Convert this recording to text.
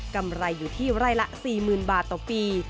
กำไรอยู่ที่ไร่ละ๔๐๐๐บาทต่อปี